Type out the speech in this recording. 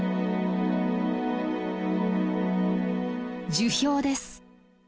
樹氷です。